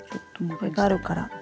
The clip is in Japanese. これがあるから。